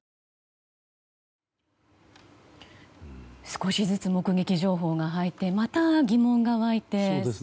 少しずつ目撃情報が入ってまた、疑問が湧いて。